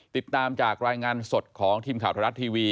ติดตามจากรายงานสดของทีมข่าวไทยรัฐทีวี